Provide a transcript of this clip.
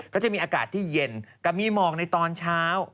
ก็จะมีอากาศที่เย็นกับมีหมอกในตอนเช้า